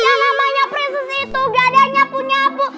yang namanya prinses itu nggak ada nyapu nyapu